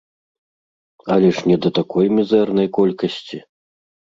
Але ж не да такой мізэрнай колькасці!